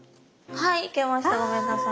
はいいけましたごめんなさい。